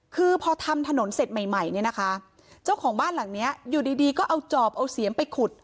คือพอทำถนนเสร็จใหม่ใหม่เนี่ยนะคะเจ้าของบ้านหลังเนี้ยอยู่ดีดีก็เอาจอบเอาเสียมไปขุด